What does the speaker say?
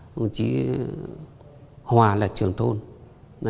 đồng chí hòa là trưởng thôn